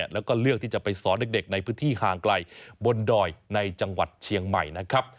แล้วก็เลือกที่จะไปสอนเด็กในพื้นที่ห่างไกลบนดอยในจังหวัดเชียงใหม่นะครับ